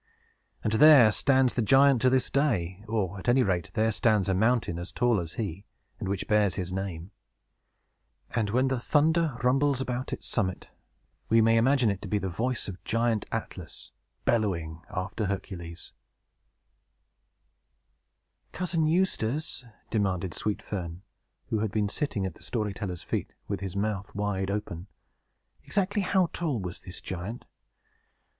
And there stands the giant to this day; or, at any rate, there stands a mountain as tall as he, and which bears his name; and when the thunder rumbles about its summit, we may imagine it to be the voice of Giant Atlas, bellowing after Hercules! TANGLEWOOD FIRESIDE AFTER THE STORY "Cousin Eustace," demanded Sweet Fern, who had been sitting at the story teller's feet, with his mouth wide open, "exactly how tall was this giant?"